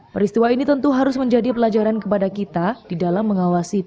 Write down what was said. peristiwa ini tentu harus menjadi pelajaran kepada kita di dalam mengawasi